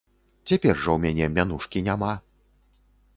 Цяпер жа ў мяне мянушкі няма.